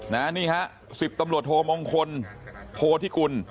นะฮะนี่๑๐ตำรวจโทษกับโมงคลโทษธิกุล